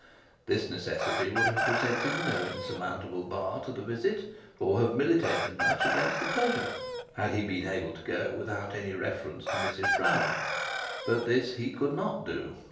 This necessity would have presented an insurmountable bar to the visit, or have militated against the pleasure, had he been able to go without reference to Mrs Proudie. But this he could not do.